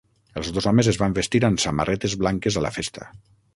Els dos homes es van vestir amb samarretes blanques a la festa.